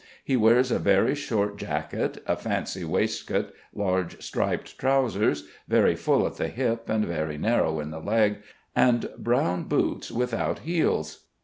He wears a very short jacket, a fancy waistcoat, large striped trousers, very full on the hip and very narrow in the leg, and brown boots without heels.